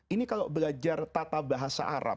ini kalau belajar tata bahasa arab